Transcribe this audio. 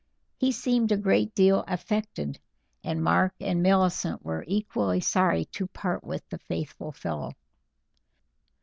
He seemed a great deal affected, and Mark and Millicent were equally sorry to part with the faithful fellow.